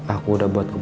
aku selalu di washer